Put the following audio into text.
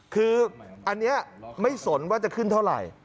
คืออันนี้ไม่สนว่าจะขึ้นเท่าไหร่